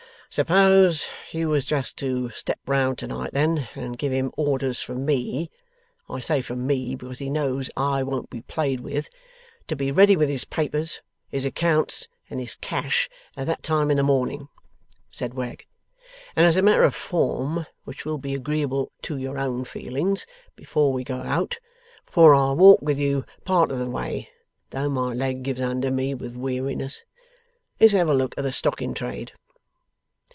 'Suppose you was just to step round to night then, and give him orders from me I say from me, because he knows I won't be played with to be ready with his papers, his accounts, and his cash, at that time in the morning?' said Wegg. 'And as a matter of form, which will be agreeable to your own feelings, before we go out (for I'll walk with you part of the way, though my leg gives under me with weariness), let's have a look at the stock in trade.